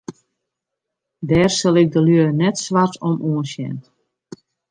Dêr sil ik de lju net swart om oansjen.